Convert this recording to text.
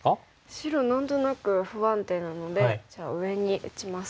白何となく不安定なのでじゃあ上に打ちます。